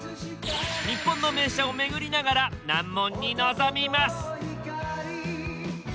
ニッポンの名車を巡りながら難問に臨みます。